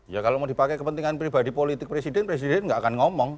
ya kalau mau dipakai kepentingan pribadi politik presiden presiden nggak akan ngomong